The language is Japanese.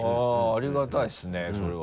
ありがたいですねそれは。